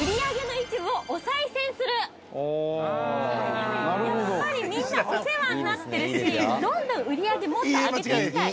◆やっぱりみんなお世話になっているし、どんどん売り上げ、もっと上げていきたい。